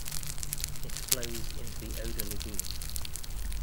It flows into the Oder Lagoon.